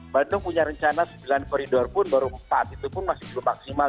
bandung punya rencana sembilan koridor pun baru empat itu pun masih belum maksimal